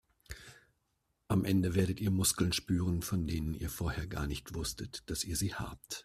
Am Ende werdet ihr Muskeln spüren, von denen ihr vorher gar nicht wusstet, dass ihr sie habt.